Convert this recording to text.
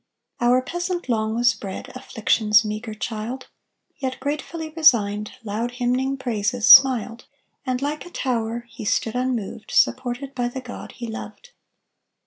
Our peasant long was bred Affliction's meagre child, Yet gratefully resigned, Loud hymning praises, smiled, And like a tower He stood unmoved, Supported by The God he loved.